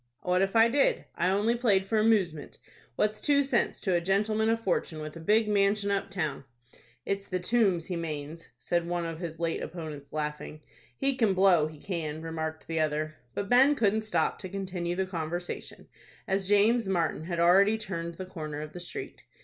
"What if I did? I only played for amoosement. What's two cents to a gentleman of fortune, with a big manshun up town?" "It's the Tombs, he manes," said one of his late opponents, laughing. "He can blow, he can," remarked the other. But Ben couldn't stop to continue the conversation, as James Martin had already turned the corner of the street.